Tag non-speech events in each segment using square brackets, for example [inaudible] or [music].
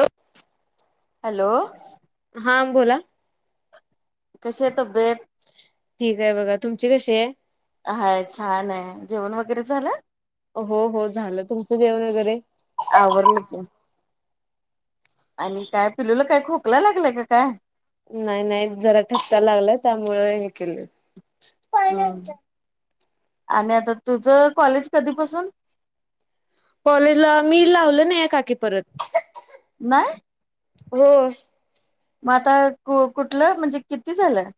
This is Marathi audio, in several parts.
हॅलो [unintelligible] [unintelligible] हॅलो बोला कसे तर बेत ठीक आहे बघा तुमची कशी आहे हाय छान आहे जेवण वगैरे झालं हो हो झालं तुमचं जवण वगैरे आवरलं की आणि काय पिलूला काय खोकला लागलं का काय नाही नाही जरा ठ् लागला त्यामुळे हे केले हम् आणि आता तुझं कॉलेज कधीपसून कॉलेजला मी लावलं ना या काकी परत नाही हो मग आता कु कुठलं म्हणजे किती झालं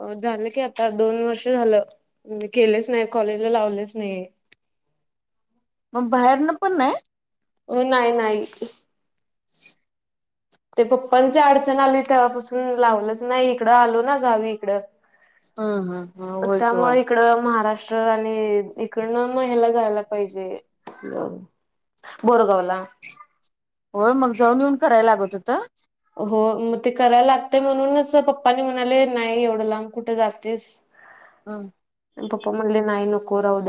हो झालं की आता दोन वर्ष झालं केलेच नाही कॉलेजला लावलेच नाही ह मग बाहेरन पण आहे हो नाही नाही ते पप्पांची अडचण आली तेव्हापासून लावलंच नाही इकडं आलो ना गावी हम्म हम् इकडं होय कि होय त्यामुळे इकडं महाराष्ट्र महष्ट्र आणि इडन महिला जायला पाहिजे बोरगावला होय मग जाऊन येऊन करायला लागत होत हो मग ते करायला लागतय म्हणूनच पप्पानी म्हणाले नाही एवढं लांब कुठे जातेस पप मणले नायन कोोर हवद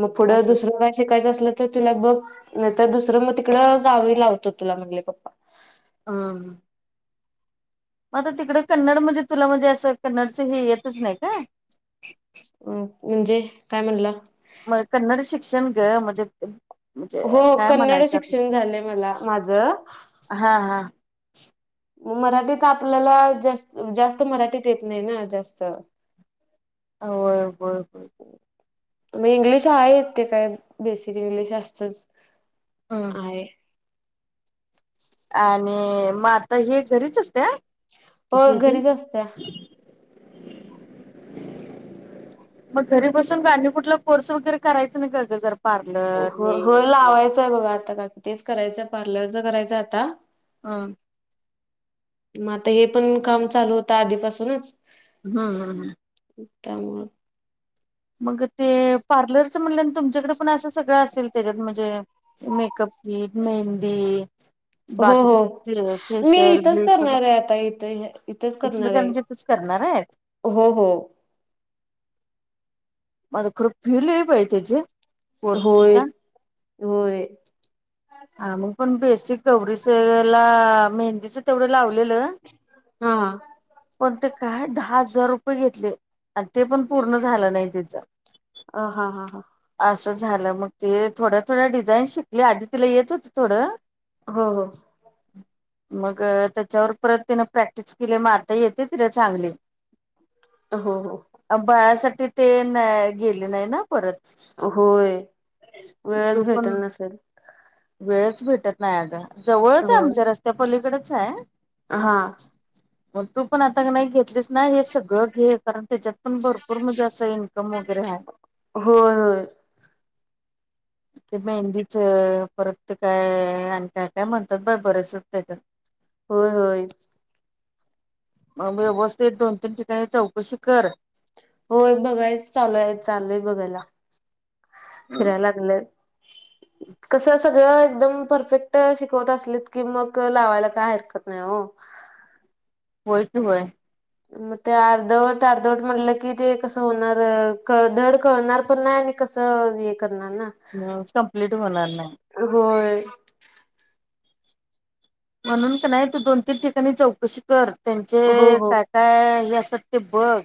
मग पुढं असं दुसरं काय शिकायचं असल तुला बघ नाही तरर दुसरं मग तिकड गावी लावतो तुला म्हग पप्पा हम मग आता तिकड कन्नड म्हणजे तुला म्हणजे असं कन्नडच हे येतच नाही का अ म्हणजे काय म्हणला मग कन्नड शिक्षण ग म्हणजे म्हणजे हो काय कन्नड म्हणायचं शिक्षण तु झालंय मला माझं हा हा मराठीत आपल्याला जास्त जास्त मराठीत येत नाही ना जास्त हो ब ब मग इंग्लिश आहे ते काय बेसिक इंग्लिश असतच हं. अ आणि मग आता हे घरीच असते प घरीच असत्या [unintelligible] मग घरी बसून का आणि कुठला कोर्स वगैरे करायचं ना का गजर हो हो लावायचंय बघा आता काकी तेच करायचंय पार्लरच करायचं आता हा मग आता हे पण काम चालू होतं आधीपासूनच हम्म हम् हम उतम मग ते पार्लर म्ह तुमच्याकडे पण असं सगळं असेल त्याच्यात म्हणजे मेकअप किट मेहंदी [unintelligible] हो फे हो मी फेशियल, इथंच ब्लीच करणार वगैरे आहे आता इथे इथेच करणार आहे इचलकरंजीतच करणार आहेत? हो हो मला खर फि लय बाई त्याजी कोर्सची होय त्या होय हा मग पण बेसिक गवरीचला मेहंदीच तेवढं लावलेलं हा पण ते काय दहा हजार रुपये घेतले आणि ते पण पूर्ण झालं नाय तीच अ हा-हा-हा असं झालं मग ते थोड्या थोड्या डिझाईन शिकली. आधी तिला येत होतं थोडं हो हो मग त्याच्यावर परत तिन प्रॅक्टिस केली. मग आता येते तिला चांगले हो हो अ बाळासाठी ते न गेले नाही ना परत होय वेळच तू पण भेटल नसेल. वेळच भेटत नाही आता जवळच हाय होय आमच्या रस्त्यापलीकडच आहे. हा मग तू पण आता नाही घेतलीस ना हे सगळं घे कारण त्याच्यात पण भरपूर म्हणजे अस इन्कम वगैरे आहे. होय होय ते मेहंदीच परत ते काय आणि काय काय म्हणतात बाय बरसच त्याच्यात होय होय मग व्यवस्थित दोन तीन ठिकाणी चौकशी कर होय बघायस चालूय चालूय बघायला फिरायला लागलंय [inaudible] कसं सगळं एकदम परफेक्ट शिकवत असलेत की मग लावायला काय हरकत नाही हो होय त होय मग ते अर्धवट अर्धवट म्हटलं की ते कसं होणार कळधड कळणार पण नाही कस हे करणार ना कंप्लीट होणार नाही होय म्हणून नाही तू दोन तीन ठिकाणी चौकशी कर, त्यांचे हो हो काय काय हे अस. सत्य बघ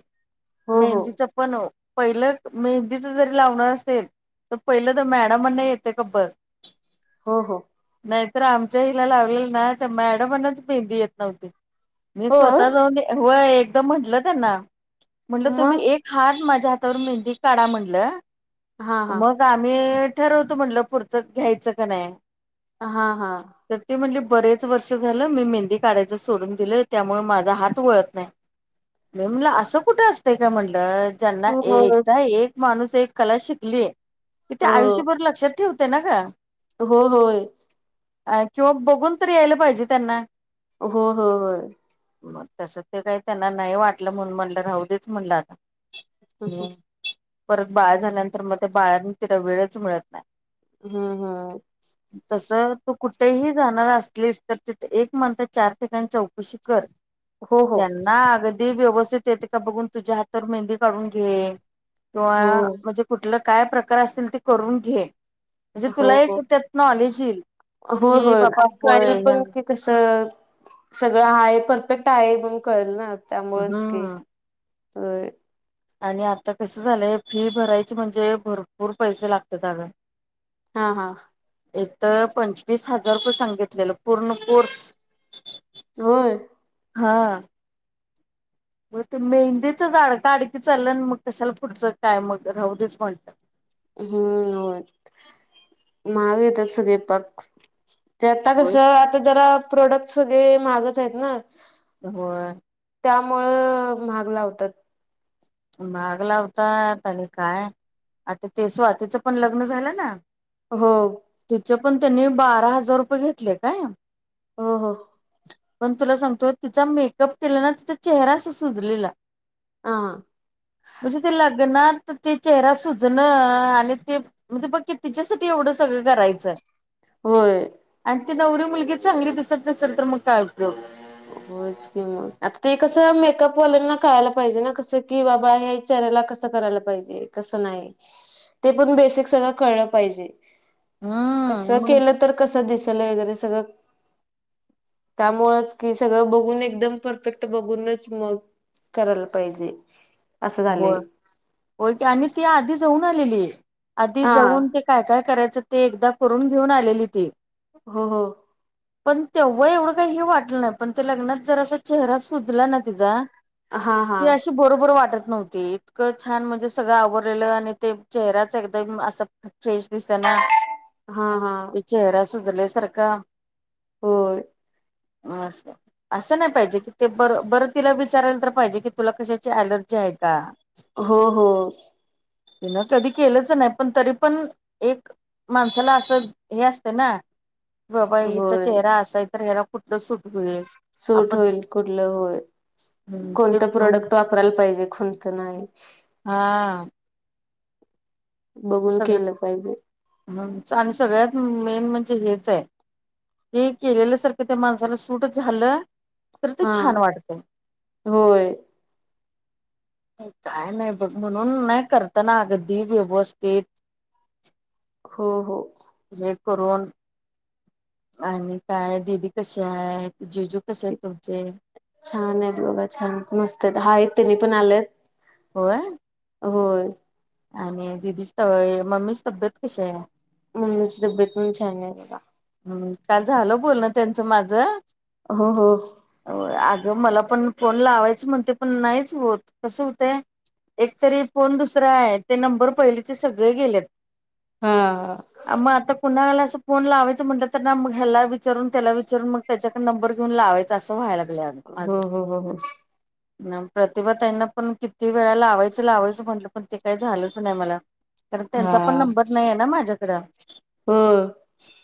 हो हो मेहंदीच पण. पहिलंच मेहंदीच जरी लावणार असेल. तर पहिलं तर मॅडम म्हणणे येते खबर. हो हो. नाहीतर आमच्या हिला लावलेलं नाही तर मॅडमनच भेंदी येत नव्हती. मी हो स्वतः जाऊन होय एकदम म्हंटलं त्यांना, म्हटलं तुम्ही मग एक हात माझ्या हात. तर मेहंदी काढा म्हटलं हा हा मग आम्ही. ठरवत म्हटलं पुरचं घ्यायचं का नाही. हा हा. तर ते म्हणले बरेच वर्ष झालं मी मेहंदी काढायचं सोडून दिलं, त्यामुळे माझा हात वळत नाही. मला असं कुठे असतंय का म्हणलं. ज्यांना हो हो एकदा एक माणूस एक कला शिकली, की ते आयुष्यभर लक्षात ठेवते ना का. हो होय. अ किंवा बघून तरी यायला पाहिजे त्यांना. हो हो होय. मग तस ते काही त्यांना नाही वाटलं म्हणून म्हणलं राह देच म्हणलं आता. अच [unintelligible] परत बाळ झाल्यानंतर, मग त्या बाळांनी तिला वेळच मिळत नाही. हम्म हम्म तस तू कुठ. तेही जाणार असलीस तर, तिथे एक म्हणता चार ठिकाणी चौकशी कर. हो हो त्यांना अगदी व्यवस्थ त ह मून घ म्हण क हो [unintelligible] काय प्रकार असतील ते करून घे. म्हणजे हो तुला एक हो त्यात नॉलेज येईल होय की होय बापा. आणि कळेल पण की कस सगळं आहे, परफेक्ट आहे म्हण कळेल ना. त्यामुळेच की हम्म होय. आणि आता कसं झालंय, फी भरायची म्हणजे, भरपूर पैसे लागतात अगं. हा हा. इ तर पंचवीस हजार सांगितलेलं पूर्ण कोर्स. होय. हा. मग ते मेहंदीचच अडका अडकी चाललं मग कशाला फुटतं काय मग राहू देच म्हटल. हम्म हो महाग येतात सुदैपाक. ते आता होय कसं आता जरा प्रोडक्ट वगैरे महागच आहेत ना. ह [unintelligible] त्यामुळं महाग लावतात. महाग लावता आणि काय आता ते स्वातीचं पण लग्न झालं ना. हो. त्या पण त्यांनी बारा हजार रुपये घेतले काय. हो हो. पण तुला सांगतो तिचा मेकअप केला, ना तिचा चेहरा सुजलेला. हा. म्हणजे ते लग्नात ते चेहरा सुजणं आणि ते म्हणजे बघ की तिच्यासाठी एवढं सगळं. करायचं. होय. त नवरी मुलगी चांगली दिसत नसेल, तर मग काय उपयोग. होच कि मग आता ते कसं मेकअपवाल्यांना कळायला पाहिजे, ना कसं की बाबा याच्या. त्याला कसं करायला पाहिजे कसं नाही ते पण बेसिक सगळं कळलं पाहिजे कसं हम्म मग केलं तर कस दिस त्यामुळंच हे सगळं बघून एकदम परफेक्ट बघूनच मग करायला पाहिजे असं हो झालंय आणि ती आधी जाऊन आलेली आधी हा जाऊन ते काय काय करायचं ते एकदा करून घेऊन आलेली ती हो हो पण तेव्हा एवढं काही हे वाटलं नाही पण ते लग्नात जरासा चेहरा सुजला ना तिचा हा हा ती अशी बरोबर वाटल नव्हती इतकं छान म्हणजे सगळं आवरलेलं आणि ते चेहराच एकदम असं फ्रेश दिसना हा हा ते चेहरा सुजल्यासारखा होय. असं असं नाही पाहिजे की ते बरं बरं तिला विचाराया तर पाहिजे की तुला कशाची अ‍ॅलर्जी जी आहे का? हो हो. तिन कधी केलंच नाही पण तरी पण एक माणसाला असं हे असतं ना बाबा हिचा होय चेहरा असाय तर ह्याला कुठलं सुट.. सूट होईल कुठलं होईल ते कोणत प्रोडक्ट वापरा [inaudible] हा बघून केलं पाहिजे आणि सगळ्यात मेन म्हणजे हेच आहे हे केलेलं सारखं त्या माणसाला सूट झालं तर ते हा छान वाटते होय काय नाही बघ म्हणून नाही करताना अगदी व्यवस्थित ते. हो हो--. हे करून आणि काय दिदी कसे हाय? जिजू छान आहेत बघा छान मस्त आहेत तेन्ही पण आलेत होय! होय. आणि दिदीच त मम्मीचि तब्येत कशी आहे? मम्मीच तबेत ही छाने बगा हम्म काल झालं बोलणं त्यांचं माझं हो हो. हो मला पण फोन लावायच म्हणते पण नाहीच होत कसं होतय एकतरी फोन दुसर हाय ते नंबर पहिलेचे सगळे गेलेत हा अ मग आता पुन्हाला अस फोन लावा म्हटल ना मग ह्याला विचारून त्याला विचारून मग त्याच्याक नंबर घेऊन लावायच असं व्हायलागलं अग माझ हो हो हो हो प्रतिभा ताईंना पण किती वेळा लावायचं लावायचं म्हंटलं पण ते काही झालंच नाही मला कारण त्यांचा पण नंबर नाही आहे ना माझ्याकडं हम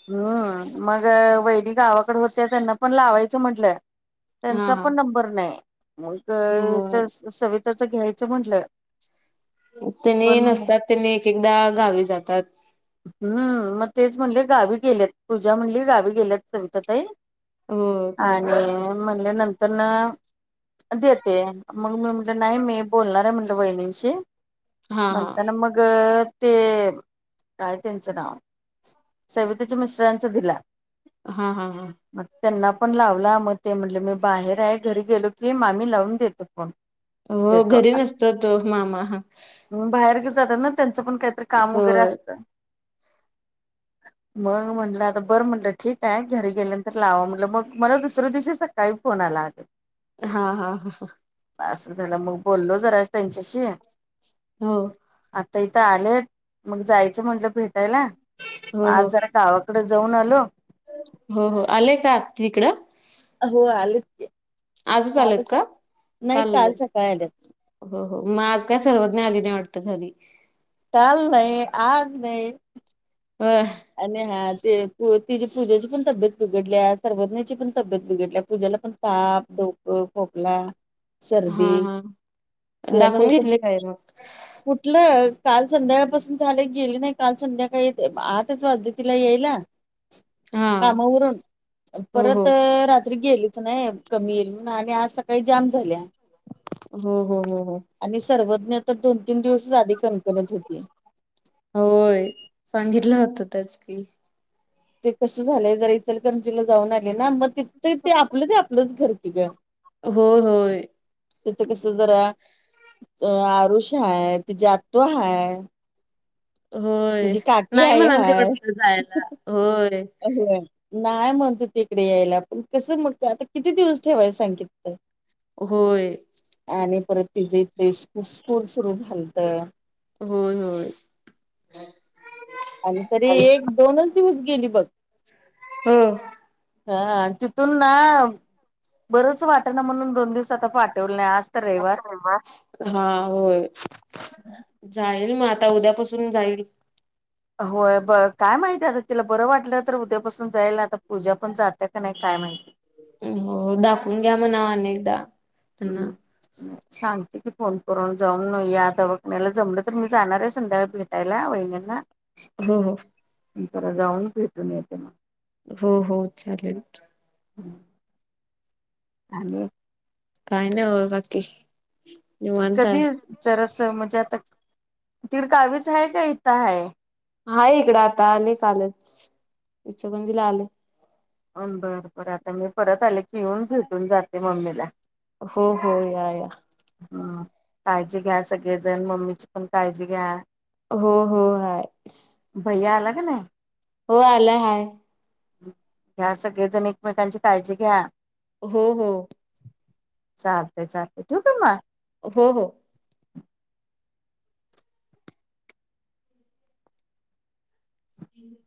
हम्म मग वैनी गावाकड होत्या त्यांना पण लावायचं म्हंटलं हा त्यांचा हा पण नंबर नाही मग हो सविताच घ्यायचं म्हटलं त्यांनी पण नसतात त्यांनी एक एकदा गावी जातात हम् मग तेच म्हणले गावी गेल्यात पूजा म्हणली गावी गेल्यात सविता ताई हो आणि म्हणले नंतरन देते मग मी म्हटलं नाही मी बोलणा रे म्हटलं वहिणींशी हा हा ममता न मग ते काय त्यांचं नाव सविताच्या मिस्टरांचा दिला हा हा हा मग त्यांना पण लावला मग ते म्हटले मी बाहेर आहे घरी गेलो की मामी लावून देतो फोन हो देतो घरी नसत तो मामा त्यांच पण काहीतर काम हो वगैरे असत मग म्हटलं आता बरं म्हटलं ठीक आहे घरी गेल्यांतर लावां म्हटलं मग मला दुसऱ्या दिवशी सकाळी फोन सलाट हा हा हा असं झालं मग बोललो जरा त्यांच्याशी हो आता इथं आलेत मग जायचं म्हटलं भेटायला हो हो आज जरा गावा तकडे जाऊन आलो हो हो आलंय का तिकडं हो आलेत की आजच आलयत कालच का नाही काल कालय सकाळी आलेत हो हो मग आज काय सर्वज्ञ आले नाही वाटत खाली काल नाही आज नाही अ आणि हा ते तिची पूजेची पण तब्येत बिघडल्या सर्वज्ञची पण तब्येत बिघडल्या पूजा पण ताप ोक खोकला हा सर्दी हा तिला दाखवून मधी घेतले काय मग कुठलंच काल संध्याकाळपासून झाले गेले नाही काल संध्याकाळी येत आतच वाजले तिला यायला हा कामावरून हो हो परत रात्री गेलीच नाही कमी येईल आणि आज सकाळी जाम झाल्या हम्म हम्म हम्म हम्म आणि सर्वज्ञ तर दोन तीन दिवस आधी कणकणत होती होय सांगितलं होतं त्याच कि ते कसं झालंय जरा इतलकंजीला जाऊन आले ना मग ति ते आपलं ते आपलंच घरती ग हो होय तिथं कस जरा अ आरुष हाय, तिजि आत्तू हाय. होय तिची काकी नाही आई म्हणाल ते वाटत जायला होय अ नाही म्हणतो त तीकडे यायला पण कसं मग आता किती दिवस ठेवाय सांगितल होय ति जे ते स्कु स्कूल सुरू झालत. होय होय. आणि तरी एक दोनच दिवस गेली बघ हो ह तिथून ना बरंच वाट ना म्हणून दोन दिवसात पाठवले आज तर रविवार हा होय जाय मग आता उद्यापासून जाईल होय ब काय माहिती आता तिला बरं वाटलं तर उद्यापासून जाईल, आता पूजा पण जात्या का नाय काय [unintelligible] हो दाखवून घ्या म्हणा अनेकदा त्यांना हम्म सांगते की फोन करून जाऊन न या दवाखण्या्याला जमलं तर मी जाणार आहे संध्याकाळी भेटायला वहिणींना हो हो रा जाऊन भेटून येते मग हो हो चालेल अग काय नाही हों काकी कधी जर अस म्हणजे आता तिड गावीच आहे का मग इथं हाय हाय इकडं आता अले कालंच आलेच तिचं म्हणजीला आले बर बर आता मी परत आले की येऊन भेटून जाते मम्मीला हो हो या या हम्म काळजी घ्या सगळेजण मम्मीची पण काळजी घ्या हो -हो हाय भैया आला का नाय हो आला हाय- घ्या सगळेजण एकमेकांची काळजी घ्या. हो -हो चालतय- चालतय ठूका मग- हो- हो ह-